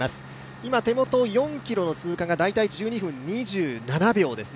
今、手元４ｋｍの通過がだいたい１２分２７秒ですね。